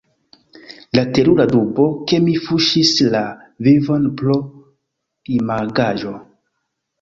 La terura dubo — ke mi fuŝis la vivon pro imagaĵo.